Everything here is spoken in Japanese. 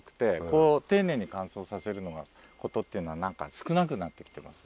こう丁寧に乾燥させることっていうのは少なくなって来てます。